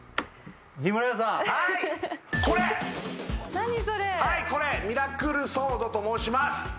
何それはいこれミラクルソードと申します